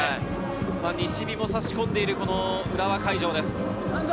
西日も差し込んでいる浦和会場です。